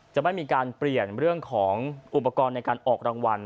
จะไม่มีการเปลี่ยนเรื่องของอุปกรณ์ในการออกรางวัล